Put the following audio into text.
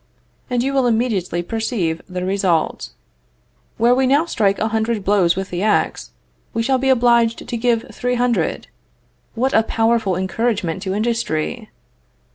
And you will immediately perceive the result. Where we now strike an hundred blows with the ax, we shall be obliged to give three hundred. What a powerful encouragement to industry!